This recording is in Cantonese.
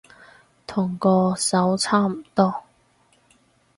同嗰首差唔多